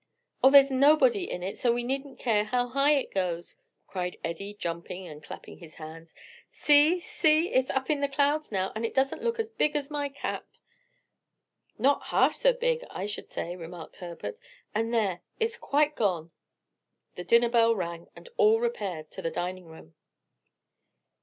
"Oh there's nobody in it; so we needn't care how high it goes," cried Eddie, jumping and clapping his hands, "See! see! it's up in the clouds now, and doesn't look as big as my cap." "Not half so big, I should say," remarked Herbert. "And there, it's quite gone." The dinner bell rang and all repaired to the dining room.